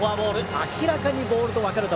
明らかにボールと分かる球。